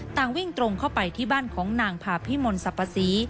ต่างวิ่งตรงเข้าไปที่บ้านของนางพาพิมลสรรพศรี